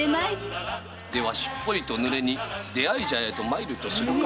ではしっぽりと濡れに出合い茶屋へ参るとするか。